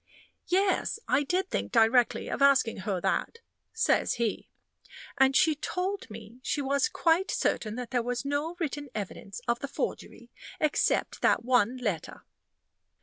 "Yes, I did think directly of asking her that," says he; "and she told me she was quite certain that there was no written evidence of the forgery except that one letter."